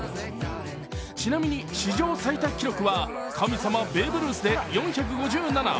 ちなみに史上最多記録は、神様ベーブ・ルースで４５７。